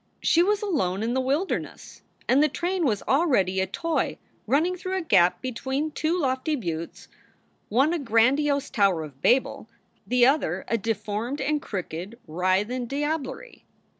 She was alone in the wilderness, and the train was already a toy running through a gap between two lofty buttes, one a grandiose Tower of Babel; the other a deformed and crooked, writhen diablerie.